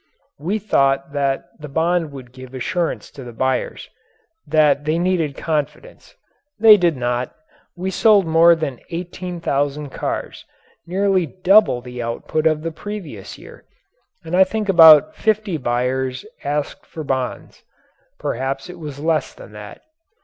We thought that the bond would give assurance to the buyers that they needed confidence. They did not. We sold more than eighteen thousand cars nearly double the output of the previous year and I think about fifty buyers asked for bonds perhaps it was less than that.